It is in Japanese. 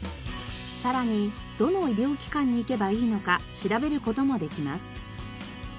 さらにどの医療機関に行けばいいのか調べる事もできます。